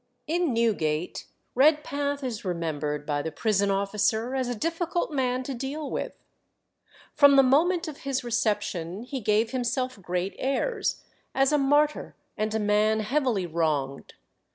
In Newgate Redpath is remembered by the prison officer as a difficult man to deal with. From the moment of his reception he gave himself great airs, as a martyr and a man heavily wronged.